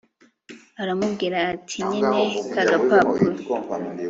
aramubwira ati nyine kagapapuro